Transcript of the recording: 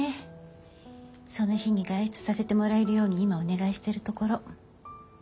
その日に外出させてもらえるように今お願いしてるところ。